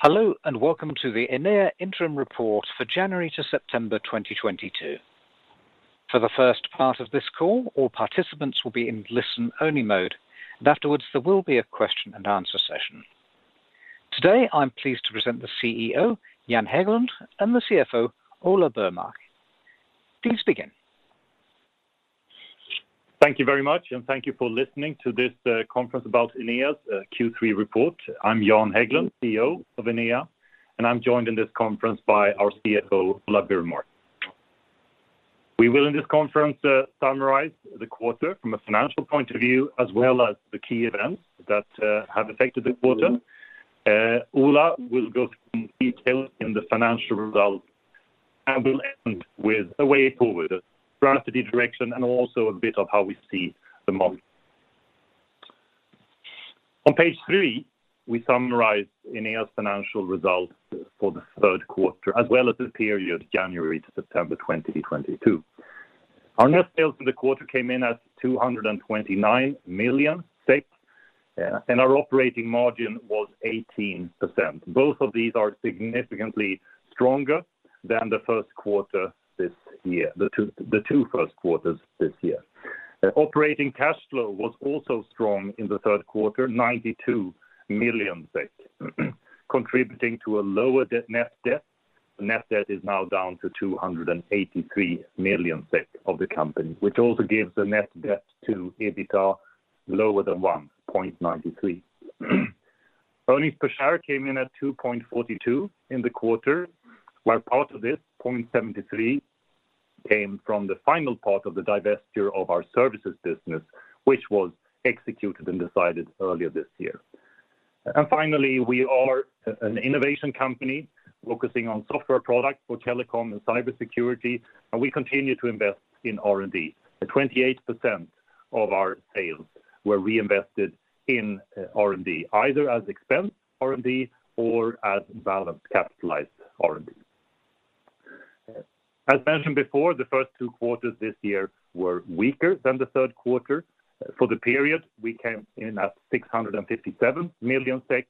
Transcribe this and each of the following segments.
Hello and welcome to the Enea interim report for January to September 2022. For the first part of this call, all participants will be in listen-only mode, and afterwards there will be a question and answer session. Today, I'm pleased to present the CEO, Jan Häglund, and the CFO, Ola Burmark. Please begin. Thank you very much, and thank you for listening to this conference about Enea's Q3 report. I'm Jan Häglund, CEO of Enea, and I'm joined in this conference by our CFO, Ola Burmark. We will in this conference summarize the quarter from a financial point of view, as well as the key events that have affected the quarter. Ola will go through in detail the financial results, and we'll end with a way forward, strategy direction, and also a bit of how we see the market. On page three, we summarize Enea's financial results for the third quarter, as well as the period January to September 2022. Our net sales in the quarter came in at 229 million, and our operating margin was 18%. Both of these are significantly stronger than the first quarter this year, the two first quarters this year. Operating cash flow was also strong in the third quarter, 92 million SEK, contributing to a lower net debt. Net debt is now down to 283 million SEK of the company, which also gives the net debt to EBITDA lower than 1.93. Earnings per share came in at 2.42 in the quarter, where part of this, 0.73, came from the final part of the divestiture of our services business, which was executed and decided earlier this year. Finally, we are an innovation company focusing on software products for telecom and cybersecurity, and we continue to invest in R&D. 28% of our sales were reinvested in R&D, either as expensed R&D or as balance capitalized R&D. As mentioned before, the first two quarters this year were weaker than the third quarter. For the period, we came in at 657 million SEK,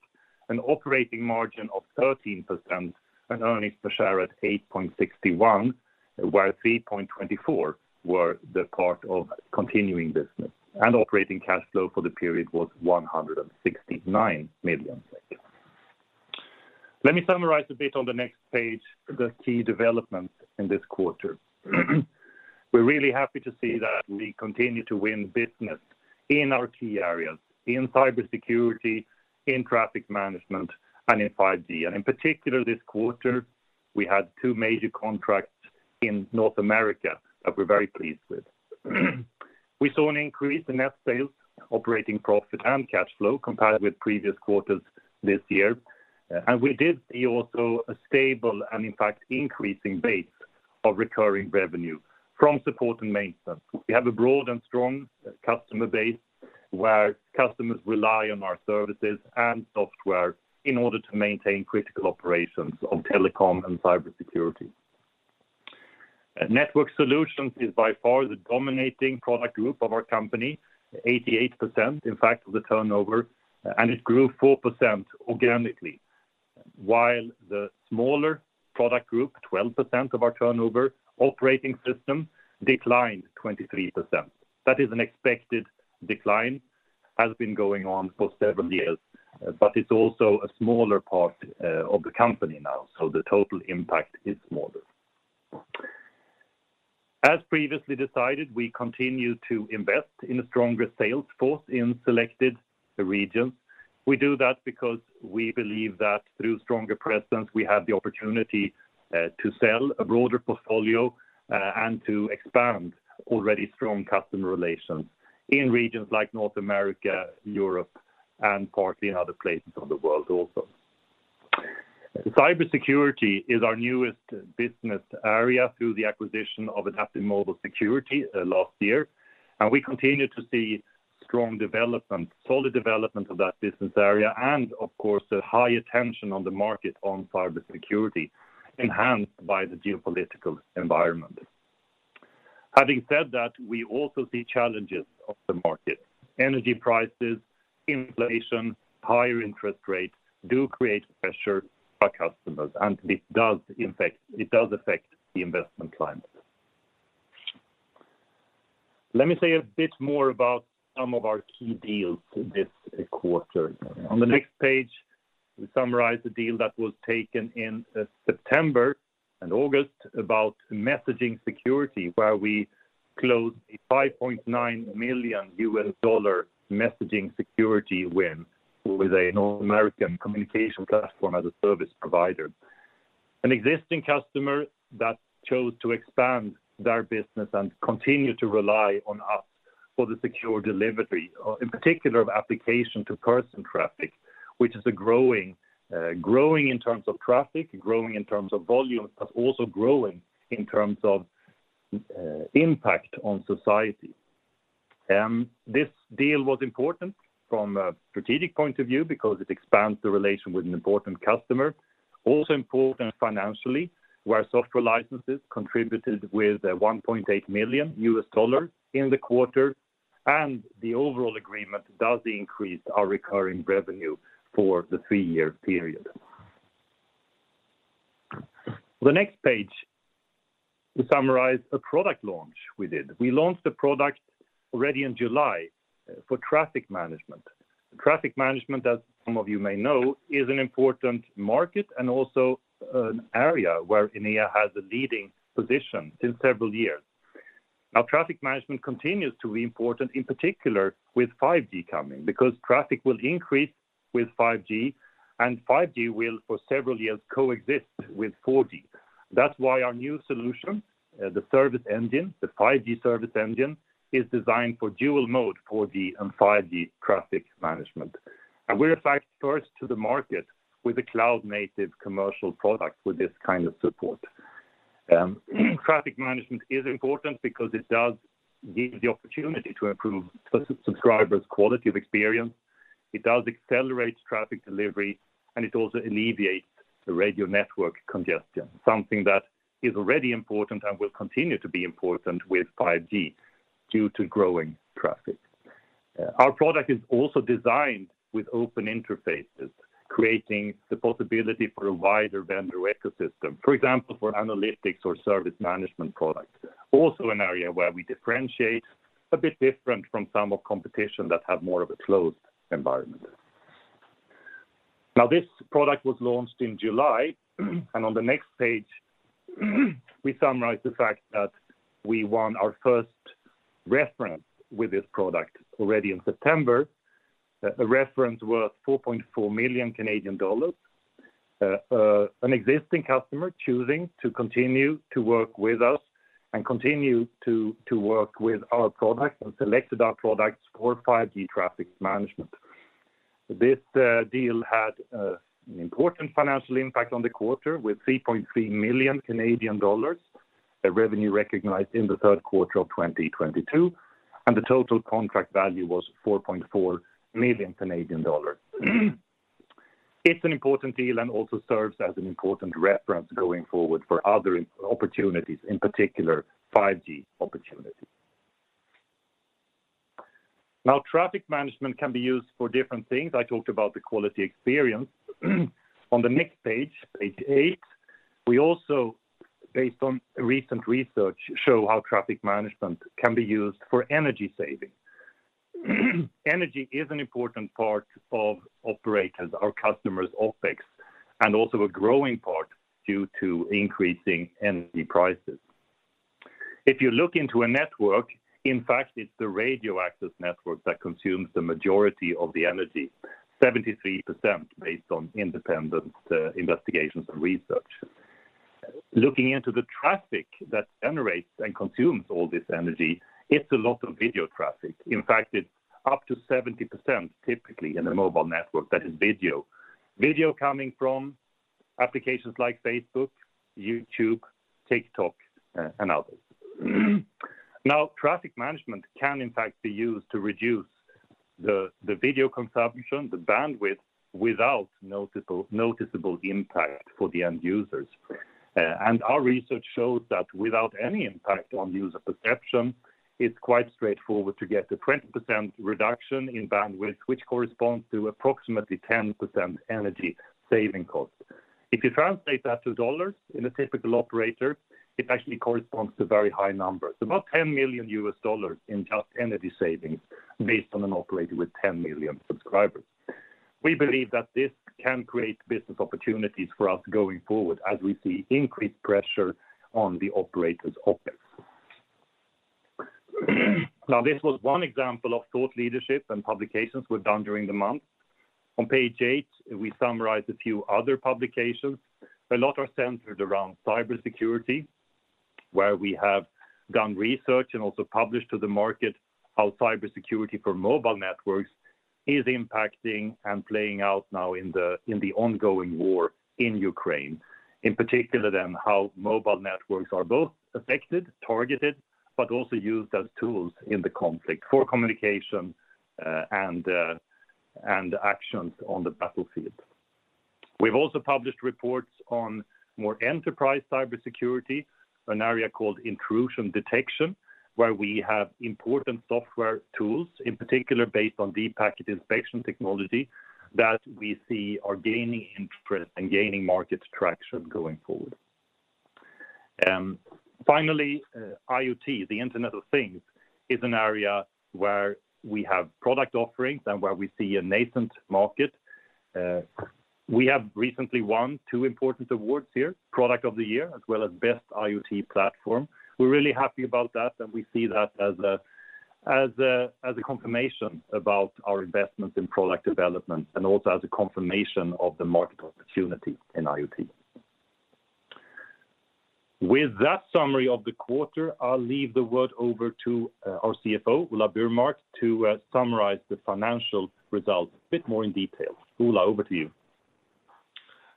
an operating margin of 13% and earnings per share at 8.61, where 3.24 were the part of continuing business. Operating cash flow for the period was 169 million SEK. Let me summarize a bit on the next page the key developments in this quarter. We're really happy to see that we continue to win business in our key areas, in cybersecurity, in traffic management, and in 5G. In particular this quarter, we had two major contracts in North America that we're very pleased with. We saw an increase in net sales, operating profit and cash flow compared with previous quarters this year. We did see also a stable and in fact, increasing base of recurring revenue from support and maintenance. We have a broad and strong customer base where customers rely on our services and software in order to maintain critical operations of telecom and Cybersecurity. Network Solutions is by far the dominating product group of our company, 88%, in fact, of the turnover, and it grew 4% organically. While the smaller product group, 12% of our turnover, Operating Systems declined 23%. That is an expected decline, has been going on for several years, but it's also a smaller part of the company now, so the total impact is smaller. As previously decided, we continue to invest in a stronger sales force in selected regions. We do that because we believe that through stronger presence, we have the opportunity to sell a broader portfolio and to expand already strong customer relations in regions like North America, Europe, and partly in other places of the world also. Cybersecurity is our newest business area through the acquisition of AdaptiveMobile Security last year, and we continue to see strong development, solid development of that business area and of course, a high attention on the market on cybersecurity enhanced by the geopolitical environment. Having said that, we also see challenges of the market. Energy prices, inflation, higher interest rates do create pressure for customers, and this does affect the investment climate. Let me say a bit more about some of our key deals this quarter. On the next page, we summarize the deal that was taken in September and August about messaging security, where we closed a $5.9 million messaging security win with a North American communication platform as a service provider. An existing customer that chose to expand their business and continue to rely on us for the secure delivery, in particular of application to person traffic, which is growing in terms of traffic, growing in terms of volume, but also growing in terms of impact on society. This deal was important from a strategic point of view because it expands the relation with an important customer. Also important financially, where software licenses contributed with a $1.8 million in the quarter. The overall agreement does increase our recurring revenue for the three-year period. The next page will summarize a product launch we did. We launched the product already in July for Traffic Management. Traffic Management, as some of you may know, is an important market and also an area where Enea has a leading position since several years. Now, Traffic Management continues to be important, in particular with 5G coming, because traffic will increase with 5G, and 5G will, for several years, coexist with 4G. That's why our new solution, the Service Engine, the 5G Service Engine, is designed for dual-mode 4G and 5G Traffic Management. We're in fact first to the market with a cloud-native commercial product with this kind of support. Traffic Management is important because it does give the opportunity to improve subscriber's quality of experience. It does accelerate traffic delivery, and it also alleviates the radio network congestion, something that is already important and will continue to be important with 5G due to growing traffic. Our product is also designed with open interfaces, creating the possibility for a wider vendor ecosystem. For example, for analytics or service management products. Also an area where we differentiate, a bit different from some of the competition that have more of a closed environment. Now, this product was launched in July, and on the next page, we summarize the fact that we won our first reference with this product already in September. The reference worth 4.4 million Canadian dollars. An existing customer choosing to continue to work with us and continue to work with our product and selected our product for 5G traffic management. This deal had an important financial impact on the quarter with 3.3 million Canadian dollars in revenue recognized in the third quarter of 2022, and the total contract value was 4.4 million Canadian dollars. It's an important deal and also serves as an important reference going forward for other opportunities, in particular 5G opportunities. Now, traffic management can be used for different things. I talked about the quality of experience. On the next page eight, we also based on recent research show how traffic management can be used for energy saving. Energy is an important part of operators' OpEx, and also a growing part due to increasing energy prices. If you look into a network, in fact, it's the Radio Access Network that consumes the majority of the energy, 73% based on independent investigations and research. Looking into the traffic that generates and consumes all this energy, it's a lot of video traffic. In fact, it's up to 70% typically in a mobile network that is video. Video coming from applications like Facebook, YouTube, TikTok, and others. Now, traffic management can in fact be used to reduce the video consumption, the bandwidth without noticeable impact for the end users. Our research shows that without any impact on user perception, it's quite straightforward to get a 20% reduction in bandwidth, which corresponds to approximately 10% energy saving cost. If you translate that to dollars in a typical operator, it actually corresponds to very high numbers, about $10 million in just energy savings based on an operator with 10 million subscribers. We believe that this can create business opportunities for us going forward as we see increased pressure on the operator's OpEx. Now, this was one example of thought leadership and publications we've done during the month. On page eight, we summarize a few other publications. A lot are centered around cybersecurity, where we have done research and also published to the market how cybersecurity for mobile networks is impacting and playing out now in the ongoing war in Ukraine. In particular then, how mobile networks are both affected, targeted, but also used as tools in the conflict for communication, and actions on the battlefield. We've also published reports on more enterprise cybersecurity, an area called intrusion detection, where we have important software tools, in particular based on deep packet inspection technology, that we see are gaining interest and gaining market traction going forward. Finally, IoT, the Internet of Things, is an area where we have product offerings and where we see a nascent market. We have recently won two important awards here, Product of the Year, as well as Best IoT Platform. We're really happy about that, and we see that as a confirmation about our investments in product development and also as a confirmation of the market opportunity in IoT. With that summary of the quarter, I'll leave the word over to our CFO, Ola Burmark, to summarize the financial results a bit more in detail. Ola, over to you.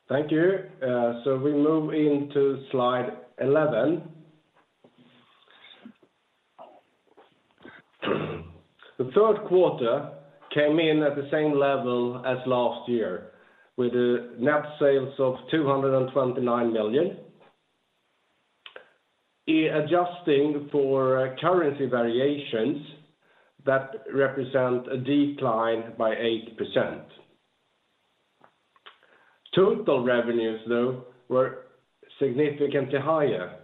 Thank you. We move into slide eleven. The third quarter came in at the same level as last year, with the net sales of 229 million. In adjusting for currency variations that represent a decline by 8%. Total revenues, though, were significantly higher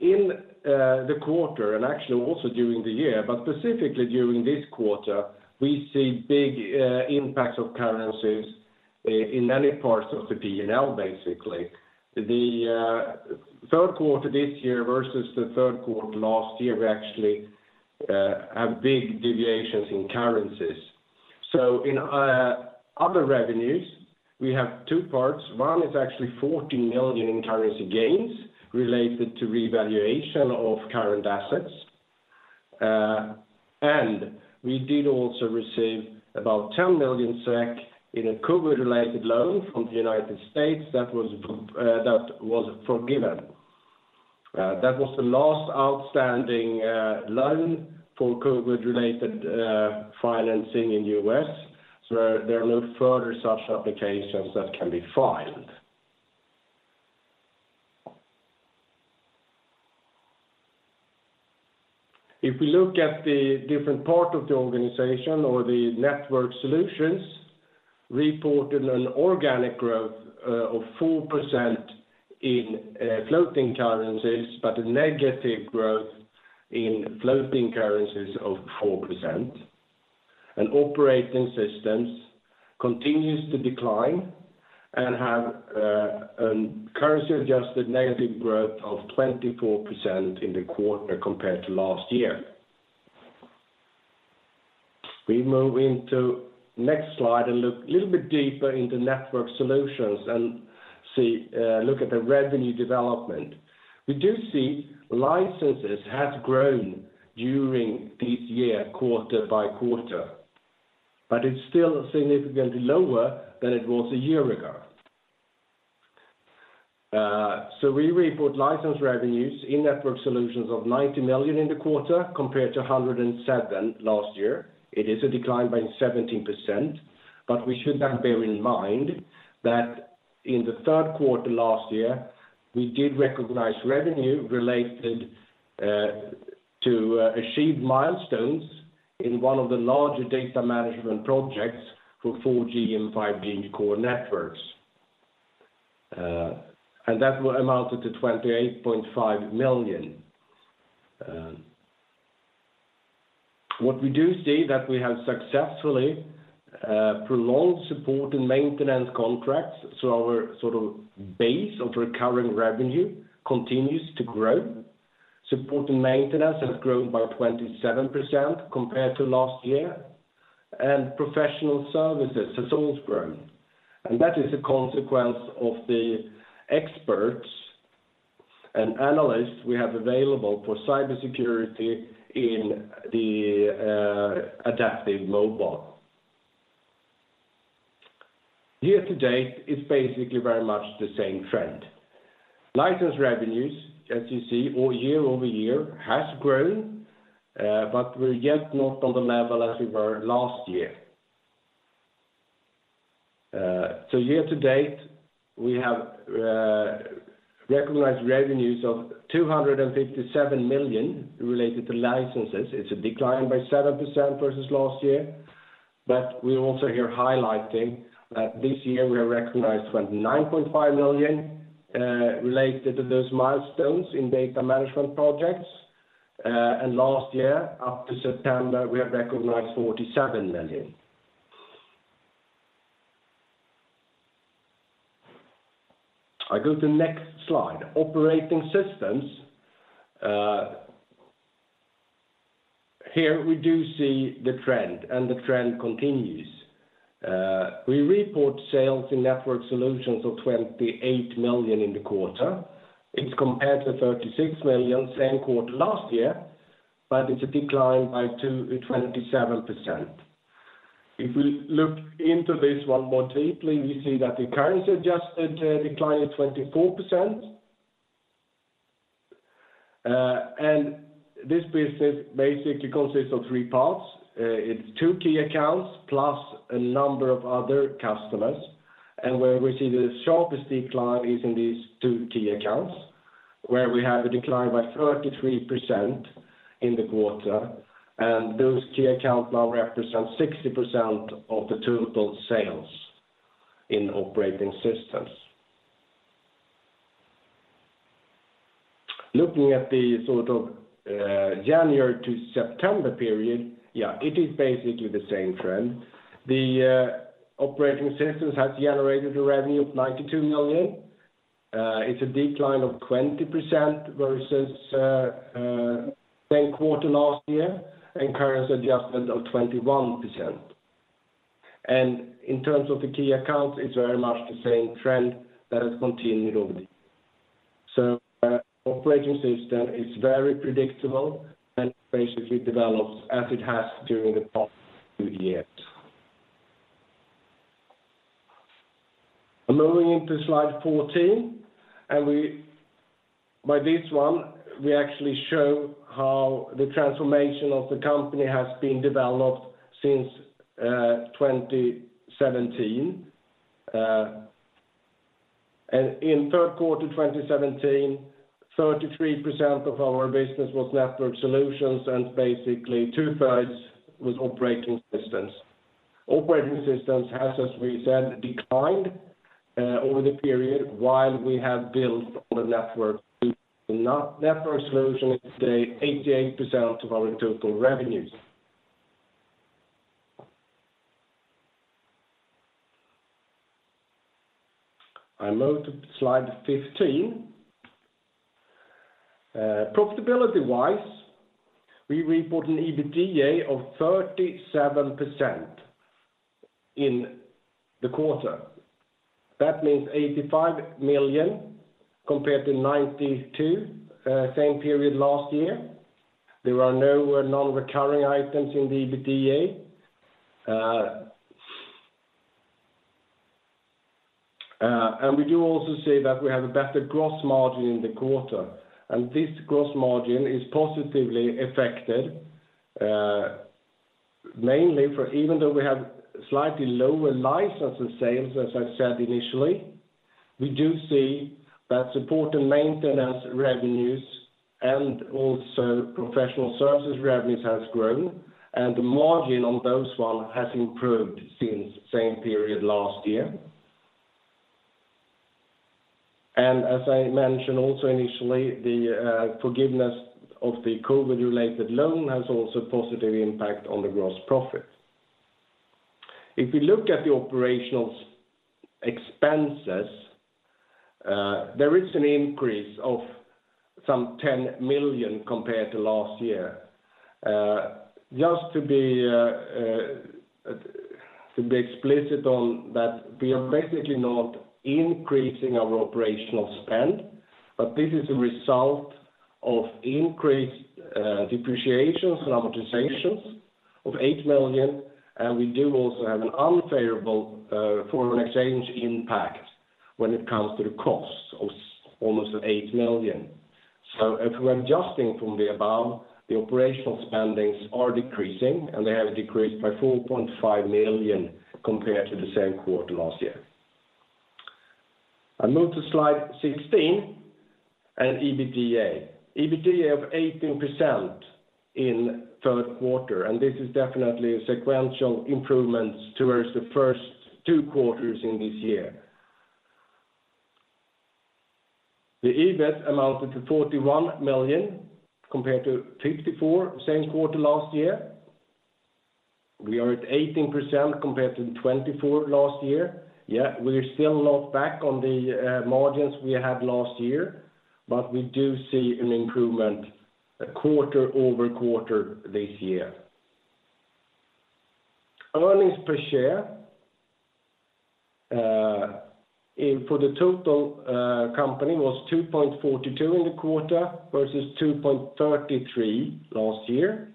in the quarter and actually also during the year, but specifically during this quarter, we see big impacts of currencies in many parts of the P&L, basically. The third quarter this year versus the third quarter last year, we actually have big deviations in currencies. In other revenues, we have two parts. One is actually 40 million in currency gains related to revaluation of current assets. We did also receive about 10 million SEK in a COVID-related loan from the United States that was forgiven. That was the last outstanding loan for COVID-related financing in U.S. There are no further such applications that can be filed. If we look at the different part of the organization or the Network Solutions reported an organic growth of 4% in constant currencies, but a negative growth in constant currencies of 4%. Operating Systems continues to decline and have currency-adjusted negative growth of 24% in the quarter compared to last year. We move into next slide and look a little bit deeper in the Network Solutions and look at the revenue development. We do see licenses has grown during this year, quarter by quarter, but it's still significantly lower than it was a year ago. We report license revenues in Network Solutions of 90 million in the quarter compared to 107 million last year. It is a decline by 17%, but we should then bear in mind that in the third quarter last year, we did recognize revenue related to achieved milestones in one of the larger data management projects for 4G and 5G core networks. That amounted to 28.5 million. What we do see that we have successfully prolonged support and maintenance contracts, so our sort of base of recurring revenue continues to grow. Support and maintenance has grown by 27% compared to last year, and professional services has also grown. That is a consequence of the experts and analysts we have available for cybersecurity in the AdaptiveMobile Security. Year-to-date is basically very much the same trend. License revenues, as you see, year-over-year has grown, but we're not yet on the level as we were last year. Year-to-date, we have recognized revenues of 257 million related to licenses. It's a decline by 7% versus last year. We're also here highlighting that this year, we have recognized 29.5 million related to those milestones in data management projects. Last year, up to September, we have recognized 47 million. I go to next slide. Operating systems, here we do see the trend, and the trend continues. We report sales in Network Solutions of 28 million in the quarter. It's compared to 36 million same quarter last year, but it's a decline by 22%-27%. If we look into this one more deeply, we see that the currency-adjusted decline is 24%. This business basically consists of three parts. It's two key accounts plus a number of other customers. Where we see the sharpest decline is in these two key accounts, where we have a decline by 33% in the quarter. Those key accounts now represent 60% of the total sales in Operating Systems. Looking at the sort of January to September period, it is basically the same trend. The Operating Systems has generated a revenue of 92 million. It's a decline of 20% versus same quarter last year and currency adjustment of 21%. In terms of the key accounts, it's very much the same trend that has continued over. Operating Systems is very predictable and basically develops as it has during the past two years. Moving into slide 14, by this one, we actually show how the transformation of the company has been developed since 2017. In third quarter 2017, 33% of our business was Network Solutions, and basically two-thirds was Operating Systems. Operating Systems has, as we said, declined over the period while we have built all the Network Solutions. Now Network Solutions is today 88% of our total revenues. I move to slide 15. Profitability-wise, we report an EBITDA of 37% in the quarter. That means 85 million compared to 92 million same period last year. There are no non-recurring items in the EBITDA. We do also see that we have a better gross margin in the quarter, and this gross margin is positively affected, mainly for even though we have slightly lower license and sales, as I said initially, we do see that support and maintenance revenues and also professional services revenues has grown, and the margin on those one has improved since same period last year. As I mentioned also initially, the forgiveness of the COVID-related loan has also positively impacted on the gross profit. If you look at the operational expenses, there is an increase of some 10 million compared to last year. Just to be explicit on that, we are basically not increasing our operational spend, but this is a result of increased depreciations and amortizations of 8 million, and we do also have an unfavorable foreign exchange impact when it comes to the cost of almost 8 million. If we're adjusting from the above, the operational spendings are decreasing, and they have decreased by 4.5 million compared to the same quarter last year. I move to slide 16 and EBITDA. EBITDA of 18% in third quarter, and this is definitely a sequential improvement towards the first two quarters in this year. The EBIT amounted to 41 million compared to 54 million same quarter last year. We are at 18% compared to 24% last year. Yeah, we're still not back on the margins we had last year, but we do see an improvement quarter-over-quarter this year. Earnings per share for the total company was 2.42 in the quarter versus 2.33 last year.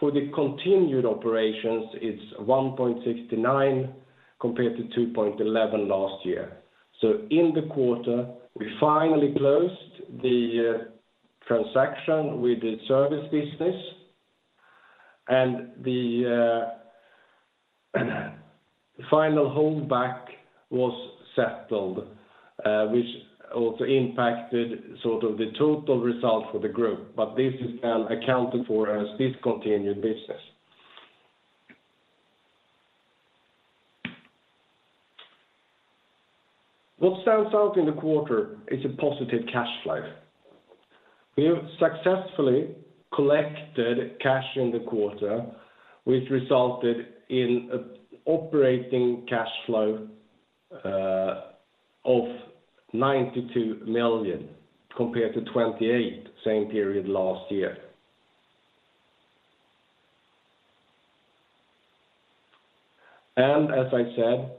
For the continuing operations, it's 1.69 compared to 2.11 last year. In the quarter, we finally closed the transaction with the service business and the final holdback was settled, which also impacted sort of the total result for the group. This is now accounted for as discontinued business. What stands out in the quarter is a positive cash flow. We have successfully collected cash in the quarter, which resulted in operating cash flow of 92 million compared to 28 million same period last year. As I said,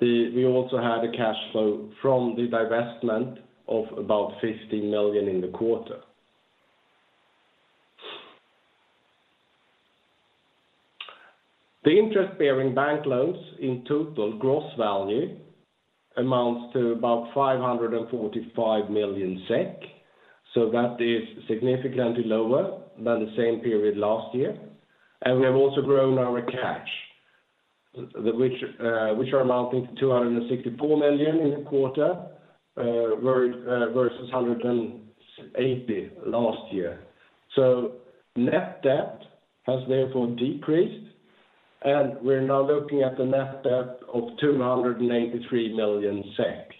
we also had a cash flow from the divestment of about 15 million in the quarter. The interest-bearing bank loans in total gross value amounts to about 545 million SEK, so that is significantly lower than the same period last year. We have also grown our cash, which are amounting to 264 million in the quarter, versus 180 last year. Net debt has therefore decreased, and we're now looking at the net debt of 283 million SEK.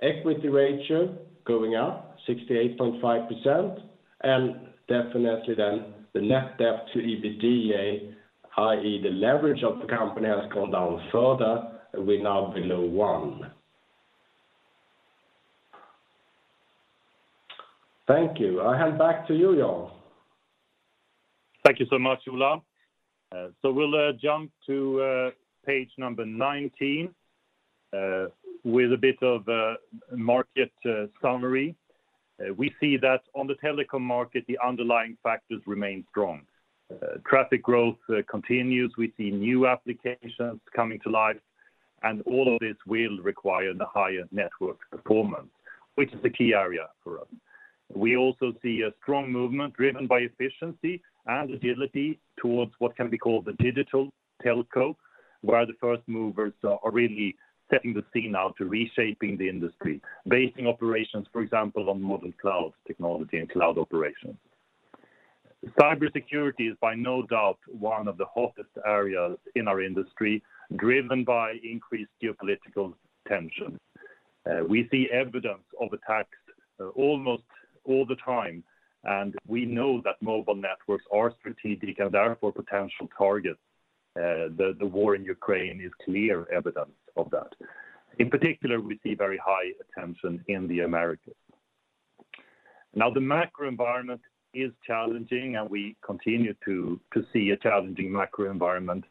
Equity ratio going up 68.5%, and definitely then the net debt to EBITDA, i.e. the leverage of the company, has gone down further, and we're now below one. Thank you. I hand back to you, Jan. Thank you so much, Ola. We'll jump to page number 19 with a bit of a market summary. We see that on the telecom market, the underlying factors remain strong. Traffic growth continues. We see new applications coming to light. All of this will require the higher network performance, which is the key area for us. We also see a strong movement driven by efficiency and agility towards what can be called the digital telco, where the first movers are really setting the scene now to reshaping the industry, basing operations, for example, on modern cloud technology and cloud operations. Cybersecurity is by no doubt one of the hottest areas in our industry, driven by increased geopolitical tension. We see evidence of attacks almost all the time, and we know that mobile networks are strategic and therefore potential targets. The war in Ukraine is clear evidence of that. In particular, we see very high attention in the Americas. Now the macro environment is challenging, and we continue to see a challenging macro environment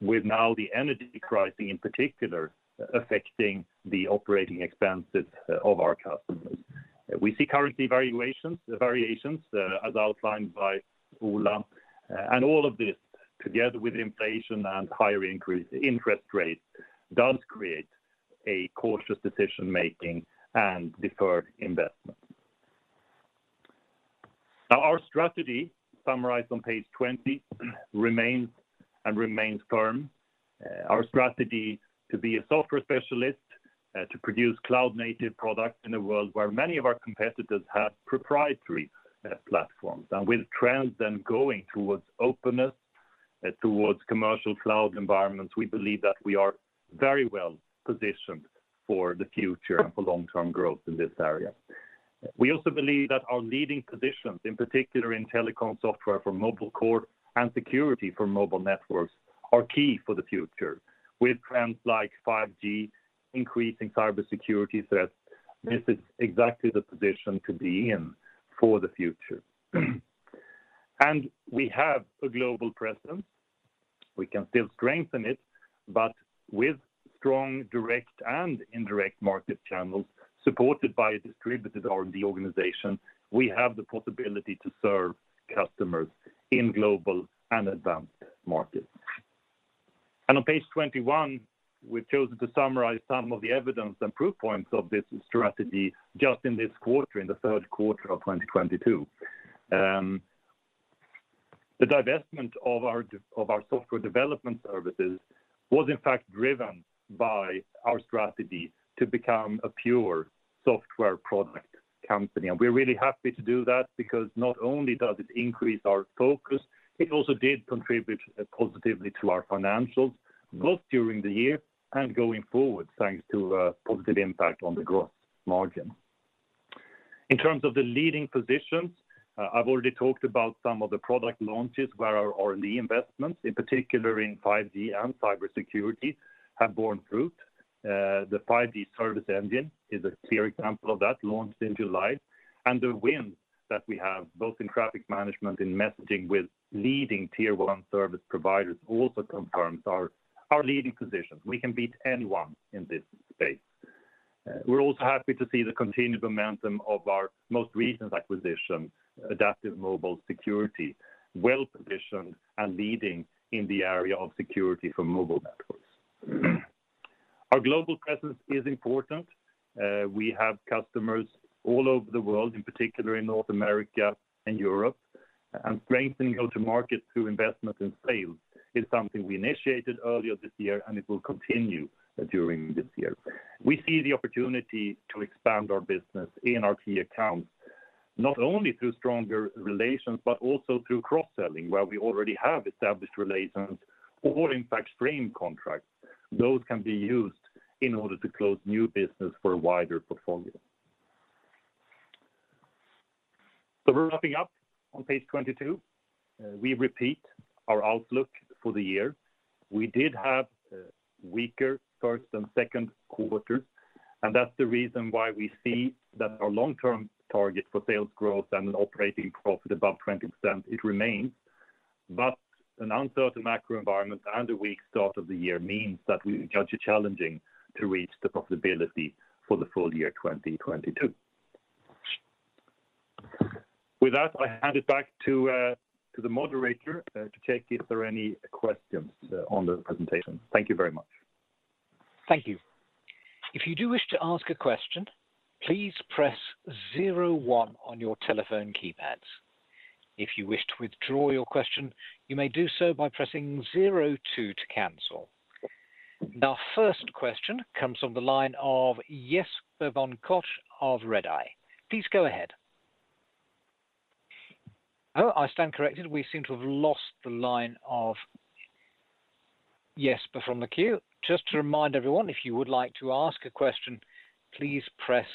with now the energy crisis in particular affecting the operating expenses of our customers. We see currency variations as outlined by Ola. All of this together with inflation and higher interest rates does create a cautious decision-making and deferred investment. Now our strategy summarized on page 20 remains firm. Our strategy to be a software specialist, to produce cloud-native products in a world where many of our competitors have proprietary platforms. With trends then going towards openness, towards commercial cloud environments, we believe that we are very well positioned for the future for long-term growth in this area. We also believe that our leading positions, in particular in telecom software for mobile core and security for mobile networks, are key for the future. With trends like 5G increasing cybersecurity threats, this is exactly the position to be in for the future. We have a global presence. We can still strengthen it, but with strong direct and indirect market channels supported by a distributed R&D organization, we have the possibility to serve customers in global and advanced markets. On page 21, we've chosen to summarize some of the evidence and proof points of this strategy just in this quarter, in the third quarter of 2022. The divestment of our software development services was in fact driven by our strategy to become a pure software product company. We're really happy to do that because not only does it increase our focus, it also did contribute positively to our financials, both during the year and going forward, thanks to a positive impact on the growth margin. In terms of the leading positions, I've already talked about some of the product launches where our R&D investments, in particular in 5G and cybersecurity, have borne fruit. The 5G Service Engine is a clear example of that launched in July. The win that we have both in traffic management and messaging with leading tier one service providers also confirms our leading positions. We can beat anyone in this space. We're also happy to see the continued momentum of our most recent acquisition, AdaptiveMobile Security, well-positioned and leading in the area of security for mobile networks. Our global presence is important. We have customers all over the world, in particular in North America and Europe. Strengthening go-to-market through investment in sales is something we initiated earlier this year, and it will continue during this year. We see the opportunity to expand our business in our key accounts, not only through stronger relations, but also through cross-selling, where we already have established relations or in fact frame contracts. Those can be used in order to close new business for a wider portfolio. We're wrapping up on page 22. We repeat our outlook for the year. We did have weaker first and second quarters, and that's the reason why we see that our long-term target for sales growth and operating profit above 20%, it remains. An uncertain macro environment and a weak start of the year means that we judge it challenging to reach the possibility for the full year 2022. With that, I hand it back to the moderator to check if there are any questions on the presentation. Thank you very much. Thank you. If you do wish to ask a question, please press zero one on your telephone keypads. If you wish to withdraw your question, you may do so by pressing zero two to cancel. Our first question comes from the line of Jesper von Koch of Redeye. Please go ahead. Oh, I stand corrected. We seem to have lost the line of Jesper from the queue. Just to remind everyone, if you would like to ask a question, please press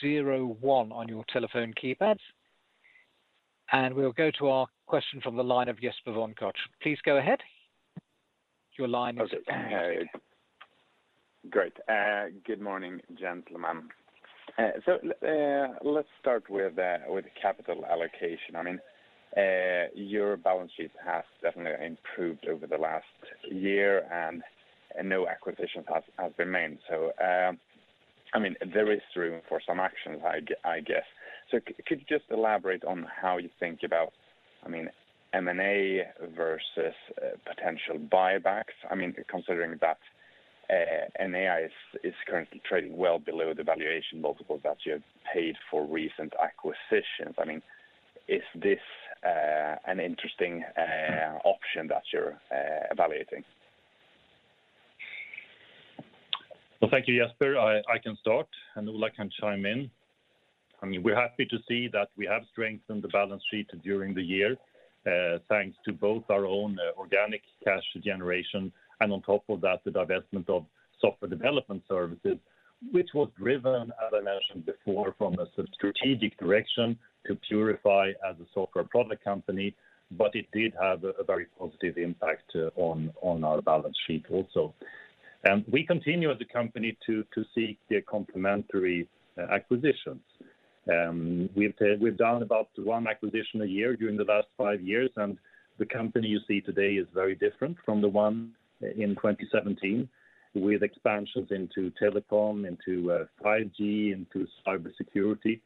zero one on your telephone keypads. We'll go to our question from the line of Jesper von Koch. Please go ahead. Your line is. Okay. Great. Good morning, gentlemen. Let's start with capital allocation. I mean, your balance sheet has definitely improved over the last year, and no acquisitions has remained. I mean, there is room for some actions I guess. Could you just elaborate on how you think about, I mean, M&A versus potential buybacks? I mean, considering that Enea is currently trading well below the valuation multiple that you have paid for recent acquisitions. I mean, is this an interesting option that you're evaluating? Well, thank you, Jesper. I can start, and Ola can chime in. I mean, we're happy to see that we have strengthened the balance sheet during the year, thanks to both our own organic cash generation and on top of that, the divestment of software development services, which was driven, as I mentioned before, from a sub-strategic direction to purify as a software product company, but it did have a very positive impact on our balance sheet also. We continue as a company to seek the complementary acquisitions. We've done about one acquisition a year during the last five years, and the company you see today is very different from the one in 2017 with expansions into telecom, into 5G, into cybersecurity.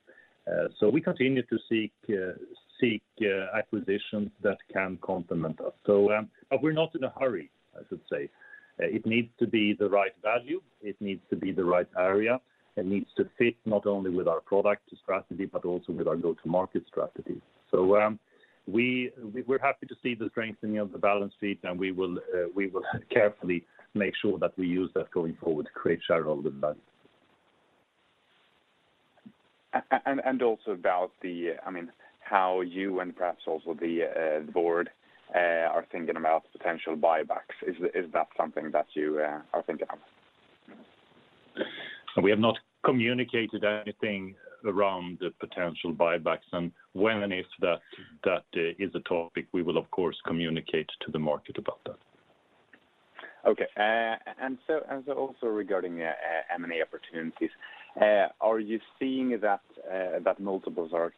We continue to seek acquisitions that can complement us. We're not in a hurry, I should say. It needs to be the right value, it needs to be the right area, it needs to fit not only with our product strategy, but also with our go-to-market strategy. We're happy to see the strengthening of the balance sheet, and we will carefully make sure that we use that going forward to create shareholder value. Also about the, I mean, how you and perhaps also the board are thinking about potential buybacks. Is that something that you are thinking of? We have not communicated anything around the potential buybacks. When and if that is a topic, we will of course communicate to the market about that. Okay. Also regarding M&A opportunities, are you seeing that multiples are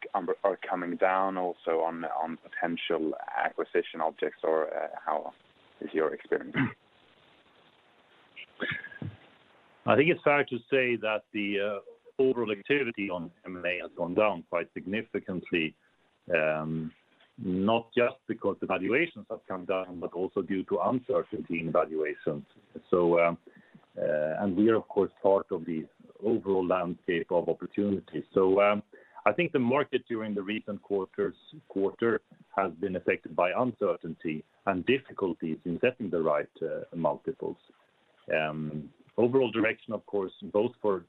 coming down also on potential acquisition objects, or how is your experience? I think it's fair to say that the overall activity on M&A has gone down quite significantly, not just because the valuations have come down, but also due to uncertainty in valuations. We are of course part of the overall landscape of opportunities. I think the market during the recent quarter has been affected by uncertainty and difficulties in setting the right multiples. Overall direction, of course, both for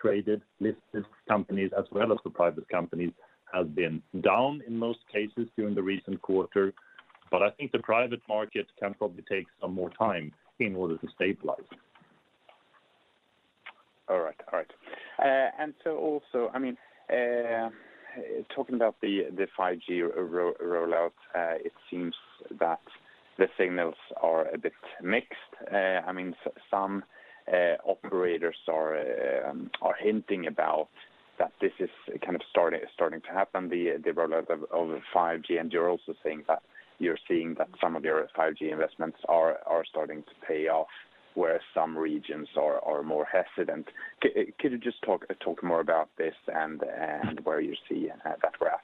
traded listed companies as well as the private companies, has been down in most cases during the recent quarter. I think the private market can probably take some more time in order to stabilize. All right. Also, I mean, talking about the 5G rollout, it seems that the signals are a bit mixed. I mean, some operators are hinting about that this is kind of starting to happen, the rollout of 5G. You're also saying that you're seeing that some of your 5G investments are starting to pay off where some regions are more hesitant. Could you just talk more about this and where you see that graph?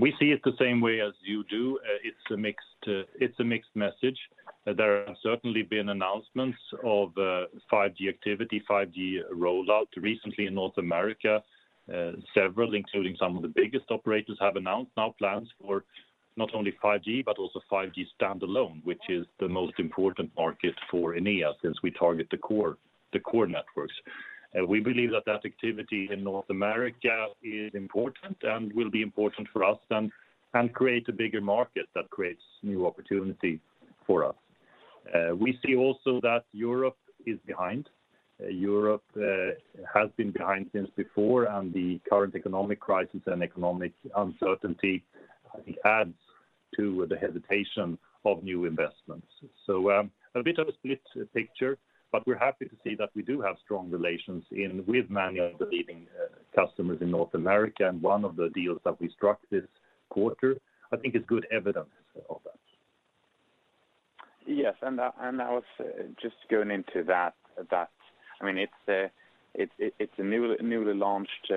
We see it the same way as you do. It's a mixed message. There have certainly been announcements of 5G activity, 5G rollout recently in North America. Several, including some of the biggest operators, have announced now plans for not only 5G, but also 5G Standalone, which is the most important market for Enea since we target the core networks. We believe that activity in North America is important and will be important for us and create a bigger market that creates new opportunity for us. We see also that Europe is behind. Europe has been behind since before, and the current economic crisis and economic uncertainty, I think, adds to the hesitation of new investments. A bit of a split picture, but we're happy to see that we do have strong relations with many of the leading customers in North America, and one of the deals that we struck this quarter, I think is good evidence of that. Yes. I was just going into that. I mean, it's a newly launched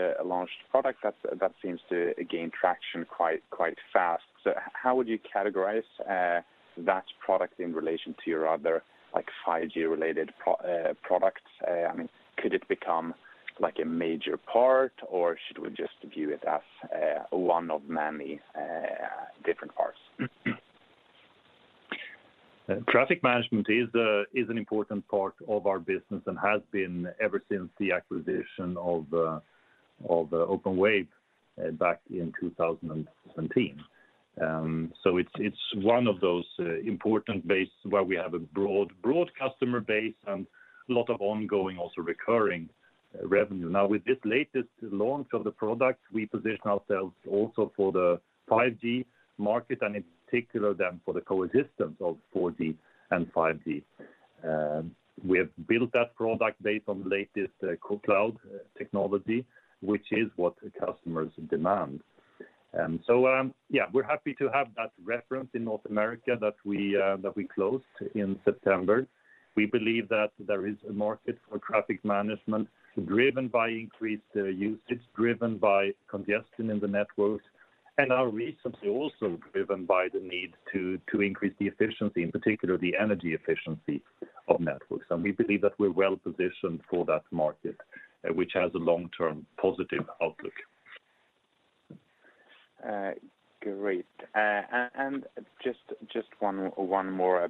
product that seems to gain traction quite fast. How would you categorize that product in relation to your other, like, 5G-related products? I mean, could it become like a major part, or should we just view it as one of many different parts? Traffic management is an important part of our business and has been ever since the acquisition of Openwave back in 2017. It's one of those important bases where we have a broad customer base and a lot of ongoing also recurring revenue. Now, with this latest launch of the product, we position ourselves also for the 5G market and in particular then for the coexistence of 4G and 5G. We have built that product based on latest cloud technology, which is what customers demand. We're happy to have that reference in North America that we closed in September. We believe that there is a market for traffic management driven by increased usage, driven by congestion in the networks, and now recently also driven by the need to increase the efficiency, in particular, the energy efficiency of networks. We believe that we're well-positioned for that market, which has a long-term positive outlook. Great. Just one more.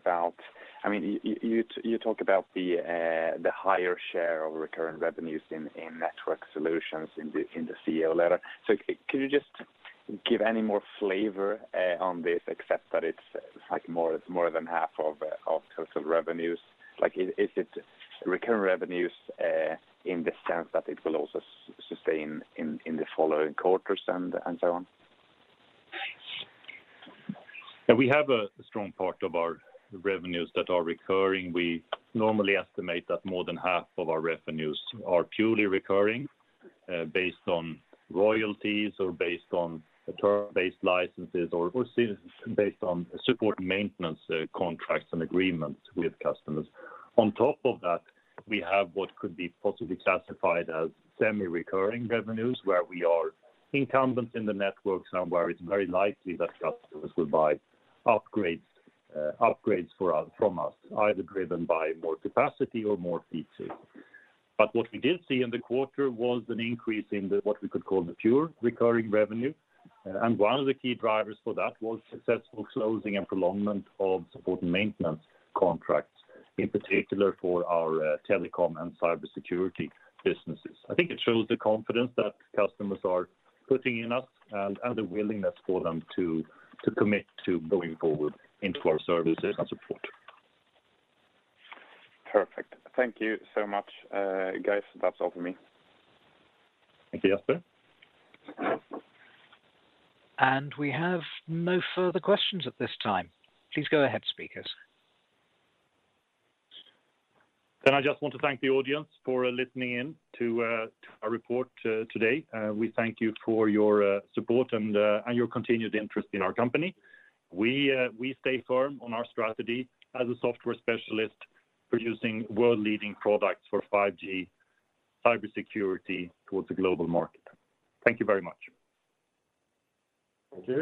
I mean, you talk about the higher share of recurring revenues in Network Solutions in the CEO letter. Could you just give any more flavor on this, except that it's like more than half of total revenues? Like, is it recurring revenues in the sense that it will also sustain in the following quarters and so on? Yeah, we have a strong part of our revenues that are recurring. We normally estimate that more than half of our revenues are purely recurring, based on royalties or based on term-based licenses or based on support and maintenance contracts and agreements with customers. On top of that, we have what could be possibly classified as semi-recurring revenues, where we are incumbent in the networks and where it's very likely that customers will buy upgrades from us, either driven by more capacity or more features. What we did see in the quarter was an increase in what we could call the pure recurring revenue. One of the key drivers for that was successful closing and prolongment of support and maintenance contracts, in particular for our telecom and cybersecurity businesses. I think it shows the confidence that customers are putting in us and the willingness for them to commit to going forward into our services and support. Perfect. Thank you so much, guys. That's all for me. Thank you, Jesper. We have no further questions at this time. Please go ahead, speakers. I just want to thank the audience for listening in to our report today. We thank you for your support and your continued interest in our company. We stay firm on our strategy as a software specialist producing world-leading products for 5G cybersecurity towards the global market. Thank you very much. Thank you.